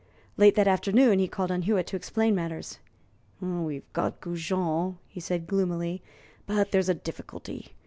Late that afternoon he called on Hewitt to explain matters. "We've got Goujon," he said, gloomily, "but there's a difficulty.